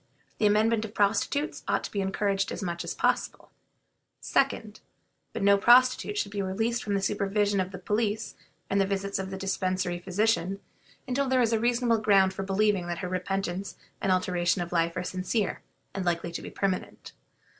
The amendment of prostitutes ought to be encouraged as much as possible; 2d. But no prostitute should be released from the supervision of the police and the visits of the Dispensary physicians until there is reasonable ground for believing that her repentance and alteration of life are sincere and likely to be permanent.